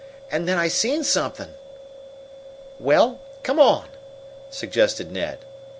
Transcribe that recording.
And then I seen something." "Well, come on," suggested Ned.